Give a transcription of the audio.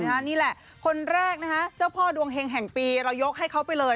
นี่แหละคนแรกนะฮะเจ้าพ่อดวงเฮงแห่งปีเรายกให้เขาไปเลย